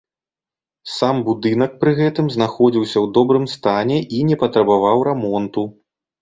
Сам будынак пры гэтым знаходзіўся ў добрым стане і не патрабаваў рамонту.